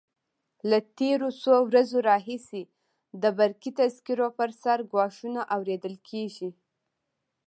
له تېرو څو ورځو راهیسې د برقي تذکرو پر سر ګواښونه اورېدل کېږي.